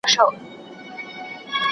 د کلمو په جوړښت پوهېدل په املا کي اسانه دي.